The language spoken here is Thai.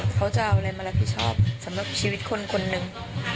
เขาจะเอาอะไรมารับผิดชอบสำหรับชีวิตคนคนหนึ่ง